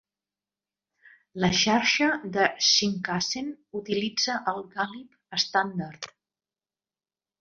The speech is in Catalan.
La xarxa de Shinkansen utilitza el gàlib estàndard.